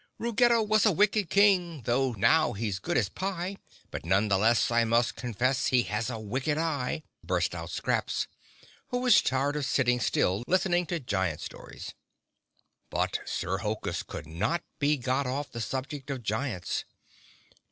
"Ruggedo was a wicked King, 'Tho' now he's good as pie, But none the less, I must confess, He has a wicked eye!" burst out Scraps, who was tired of sitting still listening to giant stories. But Sir Hokus could not be got off the subject of giants.